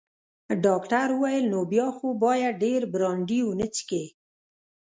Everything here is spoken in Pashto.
ډاکټر وویل: نو بیا خو باید ډیر برانډي ونه څښې.